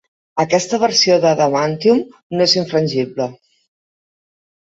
Aquesta versió d'adamantium no és infrangible.